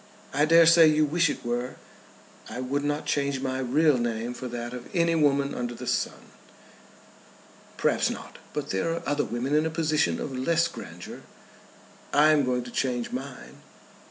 "I dare say you wish it were." "I would not change my real name for that of any woman under the sun." "Perhaps not; but there are other women in a position of less grandeur. I am going to change mine."